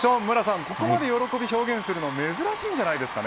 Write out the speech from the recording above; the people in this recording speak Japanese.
無良さん、ここまで喜びを表現するの珍しいんじゃ